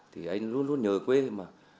thì anh luôn luôn nhớ quê mà